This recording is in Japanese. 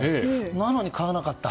なのに買わなかった。